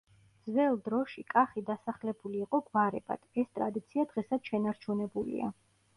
ძველ დროში კახი დასახლებული იყო გვარებად, ეს ტრადიცია დღესაც შენარჩუნებულია.